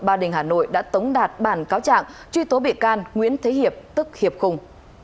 ba đình hà nội đã tống đạt bản cáo trạng truy tố bị can nguyễn thế hiệp tức hiệp cùng